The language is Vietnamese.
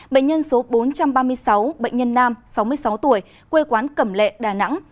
bệnh nhân số bốn trăm ba mươi sáu bệnh nhân nam sáu mươi sáu tuổi quê quán cẩm lệ đà nẵng